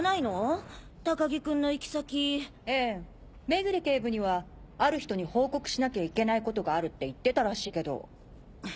目暮警部にはある人に報告しなきゃいけないことがあるって言ってたらしいけど。